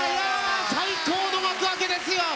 最高の幕開けですよ！